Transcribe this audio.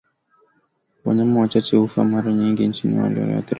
Wanyama wachache hufa mara nyingi chini ya wale walioathirika